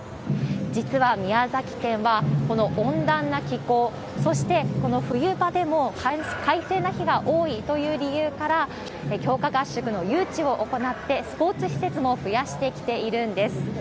実は宮崎県は、この温暖な気候、そして、この冬場でも快晴な日が多いという理由から、強化合宿の誘致を行って、スポーツ施設も増やしてきているんです。